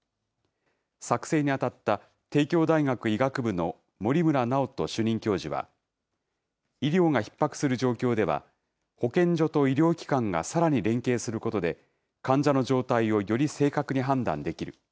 作成に当たった帝京大学医学部の森村尚登主任教授は、医療がひっ迫する状況では、保健所と医療機関がさらに連携することで、患者の状態をより正確に判断できる。